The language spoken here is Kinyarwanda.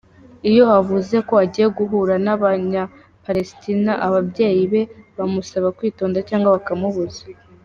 Iyo avuze ko agiye guhura n’abanya-Palestina, ababyeyi be bamusaba kwitonda cyangwa bakamubuza.